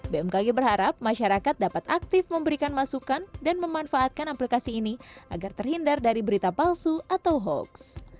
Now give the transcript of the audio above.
bmkg berharap masyarakat dapat aktif memberikan masukan dan memanfaatkan aplikasi ini agar terhindar dari berita palsu atau hoax